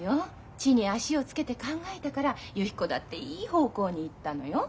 地に足をつけて考えたからゆき子だっていい方向に行ったのよ。